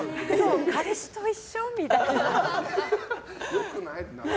彼氏と一緒？みたいな。